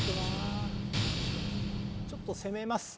ちょっと攻めます。